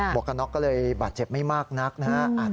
หมวกกำน๊อกเลยบาดเจ็บไม่มากนักนะฮะ